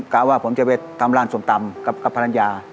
ว่าผมจะไปทำร้านส้มตำกับภรรยา